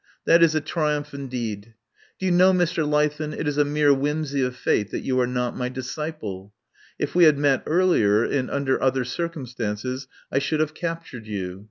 "That is a triumph in deed. Do you know, Mr. Leithen, it is a mere whimsy of fate that you are not my disciple. If we had met earlier and under other circum stances I should have captured you.